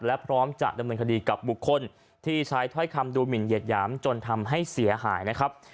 และพร้อมจะดำเนินคดีกับบุคคลที่ใช้ถ้อยคำดูหมินเหยียดหยามจนทำให้เสียหายนะครับ